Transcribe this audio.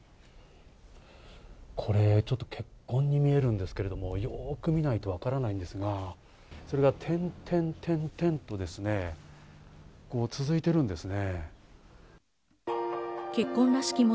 血痕に見えるんですけれども、よく見ないと分からないんですが、それが点点点点と続いているんですね。